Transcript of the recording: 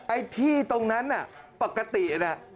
ไอ้ที่ตรงนั้นน่ะปกตินะ